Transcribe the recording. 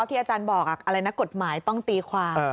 ที่อาจารย์บอกอะไรนะกฎหมายต้องตีความ